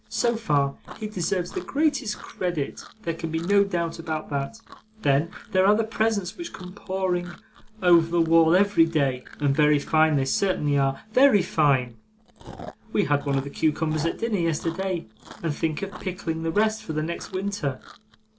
So far, he deserves the greatest credit; there can be no doubt about that. Then, there are the presents which come pouring over the wall every day, and very fine they certainly are, very fine; we had one of the cucumbers at dinner yesterday, and think of pickling the rest for next winter.